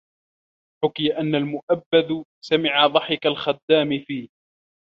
حُكِيَ أَنَّ الْمُؤَبَّذُ سَمِعَ ضَحِكَ الْخَدَّامِ فِي